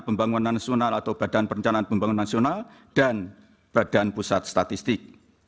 pembangunan nasional atau badan perencanaan pembangunan nasional dan badan pusat statistik